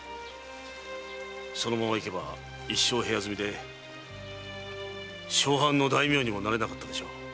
そのままいけば一生部屋住みで小藩の大名にもなれなかったでしょう。